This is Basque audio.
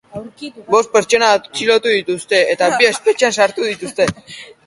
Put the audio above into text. Bost pertsona atxilotu dituzte, eta bi espetxean sartu dituzte.